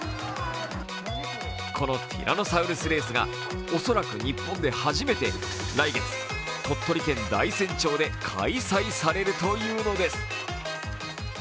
このティラノサウルスレースが恐らく日本で初めて、来月、鳥取県大山町で開催されるというのです。